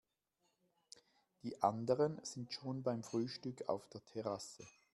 Die anderen sind schon beim Frühstück auf der Terrasse.